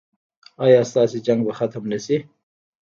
ایا ستاسو جنګ به ختم نه شي؟